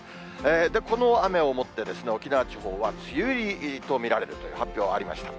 この雨をもって、沖縄地方は梅雨入りと見られるという発表がありました。